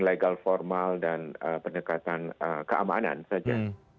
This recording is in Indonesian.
legal formal dan pendekatan keamanan saja